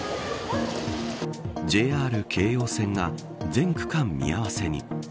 ＪＲ京葉線が全区間見合わせに。